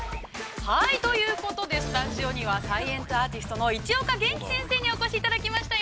スタジオには、サイエンスアーティストの市岡元気先生にお越しいただきました。